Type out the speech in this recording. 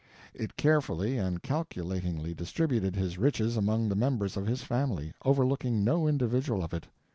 It carefully and calculatingly distributed his riches among the members of his family, overlooking no individual of it.